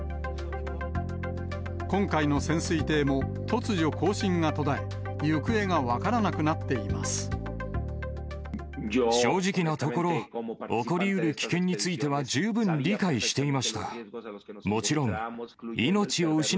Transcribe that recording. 今回の潜水艇も突如、交信が途絶え、行方が分からなくなっていま正直なところ、起こりうる危険については十分理解していました。